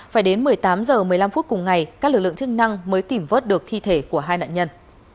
phải đến một mươi tám h một mươi năm phút cùng ngày các lực lượng chức năng mới tìm vớt được thi thể của hai nạn nhân